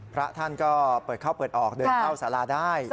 พระท่านก็เปิดเข้าเปิดออกเดินเข้าสาราได้